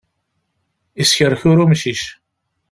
Yeskerkur umcic.